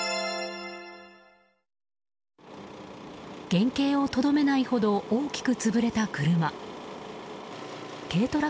原形をとどめないほど大きく潰れた車。